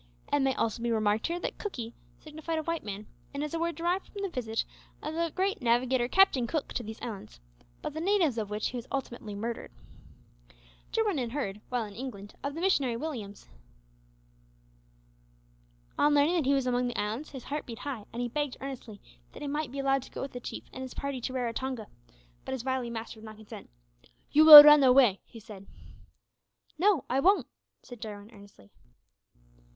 It may also be remarked here that "Cookee" signified a white man, and is a word derived from the visit of that great navigator Captain Cook to these islands, by the natives of which he was ultimately murdered. Jarwin had heard, while in England, of the missionary Williams. On learning that he was among the islands, his heart beat high, and he begged earnestly that he might be allowed to go with the chief and his party to Raratonga, but his wily master would not consent "You will run away!" he said. "No, I won't," said Jarwin, earnestly.